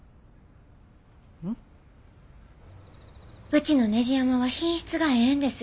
うちのねじ山は品質がええんです。